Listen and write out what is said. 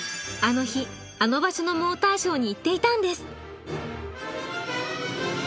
あの日あの場所のモーターショーに行っていたんです。